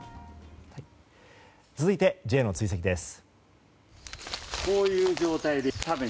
続いて、Ｊの追跡です。